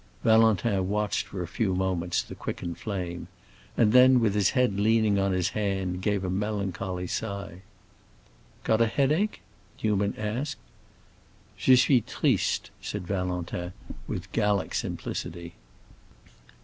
Valentin watched for a few moments the quickened flame, and then, with his head leaning on his hand, gave a melancholy sigh. "Got a headache?" Newman asked. "Je suis triste," said Valentin, with Gallic simplicity.